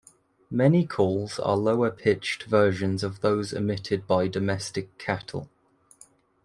Many calls are lower-pitched versions of those emitted by domestic cattle.